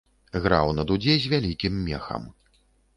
Граў на дудзе з вялікім мехам.